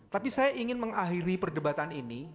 tapi saya ingin mengakhiri perdebatan ini